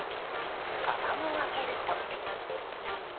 かばんを開けると。